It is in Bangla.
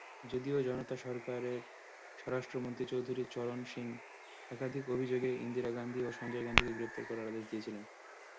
যদিও জনতা সরকারের স্বরাষ্ট্রমন্ত্রী চৌধুরী চরণ সিং একাধিক অভিযোগে ইন্দিরা গান্ধী ও সঞ্জয় গান্ধীকে গ্রেফতার করার আদেশ দিয়েছিলেন।